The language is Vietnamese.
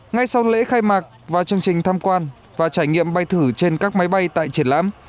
ngay sau lễ khai mạc và chương trình tham quan và trải nghiệm bay thử trên các máy bay tại triển lãm